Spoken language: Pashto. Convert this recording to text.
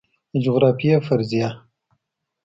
د جغرافیې فرضیه